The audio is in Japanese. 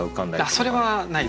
あっそれはないです。